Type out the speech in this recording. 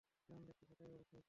যেমন দেখতে সেটাই বলছি!